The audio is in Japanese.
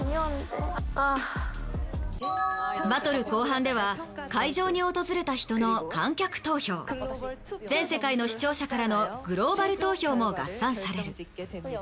バトル後半では会場に訪れた人の観客投票全世界の視聴者からのグローバル投票も合算される。